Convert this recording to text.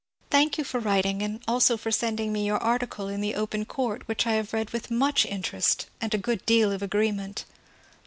Thank you for writ ing and also for sending me your article in " The Open Court," which I have read with much interest and a good deal of agreement.